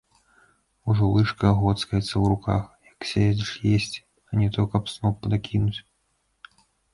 Ужо лыжка гоцкаецца ў руках, як сядзеш есці, а не то каб сноп дакінуць.